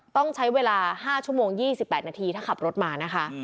ต้องใช้เวลา๕ชั่วโมง๒๘นาทีถ้าขับรถมานะคะ